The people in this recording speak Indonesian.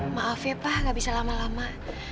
maaf ya pak gak bisa lama lama